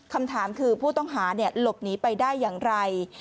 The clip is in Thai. คำถามคือผู้ต้องหาหลบหนีไปได้อย่างไร